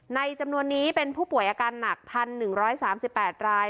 จำนวนนี้เป็นผู้ป่วยอาการหนัก๑๑๓๘ราย